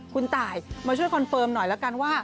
คุณตายมาช่วยคอนเฟิร์มหน่อยแล้วกันว่า